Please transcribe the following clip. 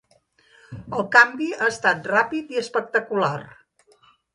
El canvi ha estat ràpid i espectacular.